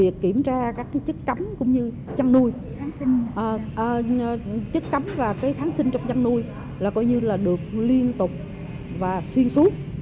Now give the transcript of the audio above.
chăn nuôi chất cấm và kháng sinh trong chăn nuôi là được liên tục và xuyên suốt